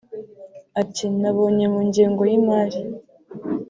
Ati “Nabonye mu ngengo y’imari [